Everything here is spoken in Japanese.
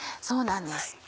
そうなんです。